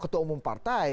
ketua umum partai